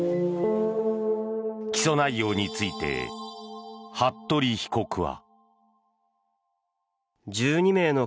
起訴内容について服部被告は。